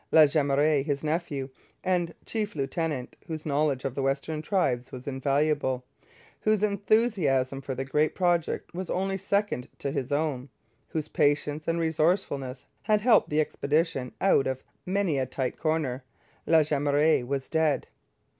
La Jemeraye, his nephew and chief lieutenant, whose knowledge of the western tribes was invaluable, whose enthusiasm for the great project was only second to his own, whose patience and resourcefulness had helped the expedition out of many a tight corner La Jemeraye was dead.